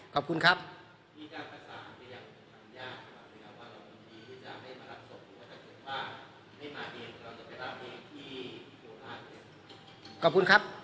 ขอบคุณครับ